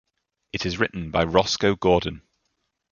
It is written by Rosco Gordon.